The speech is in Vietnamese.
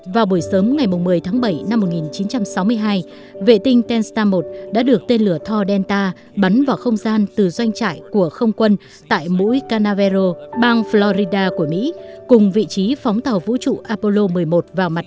vào buổi sớm ngày một mươi tháng bảy năm một nghìn chín trăm sáu mươi hai vệ tinh tenstar một đã được tên lửa to delta bắn vào không gian từ doanh trại của không quân tại mũi canavero bang florida của mỹ cùng vị trí phóng tàu vũ trụ apollo một mươi một vào mặt trận